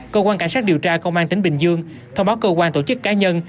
cơ quan cảnh sát điều tra công an tỉnh bình dương thông báo cơ quan tổ chức cá nhân